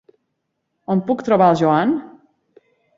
On puc trobar el Joan?